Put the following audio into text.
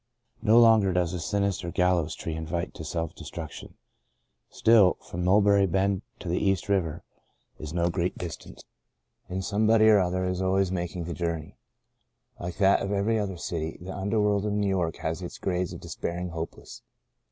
No longer does the sinister gallows tree invite to self destruction. Still, from Mulberry Bend to the East River is no great distance, and yo Into a Far Country somebody or other is always making the journey. Like that of every other great city, the underworld of New York has its grades of despairing hopelessness.